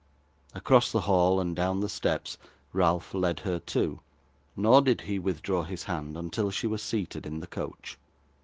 Across the hall, and down the steps, Ralph led her too; nor did he withdraw his hand until she was seated in the coach.